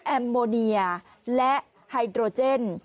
โมเนียและไฮโดรเจน